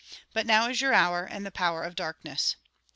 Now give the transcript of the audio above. But now is your hour, and the power of darkness."